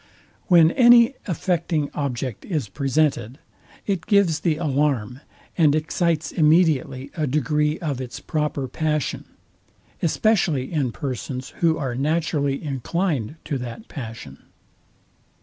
When any affecting object is presented, it gives the alarm, and excites immediately a degree of its proper passion; especially in persons who are naturally inclined to that passion.